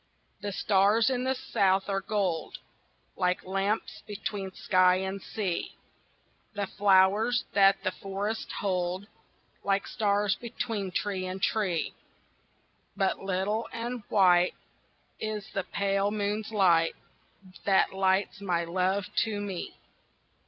The stars in the South are gold Like lamps between sky and sea; The flowers that the forests hold Like stars between tree and tree; But little and white Is the pale moon's light That lights my love to me.